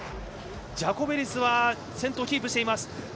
ジャコベリスは先頭をキープしています。